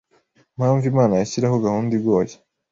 impamvu Imana yashyiraho gahunda igoye